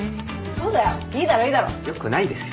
そうだよいいだろいいだろよくないですよ